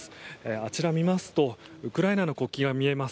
あちらを見ますとウクライナの国旗が見えます。